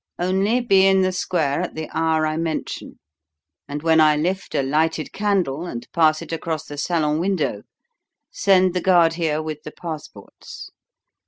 Only be in the square at the hour I mention, and when I lift a lighted candle and pass it across the salon window, send the guard here with the passports.